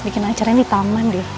bikin acara ini di taman deh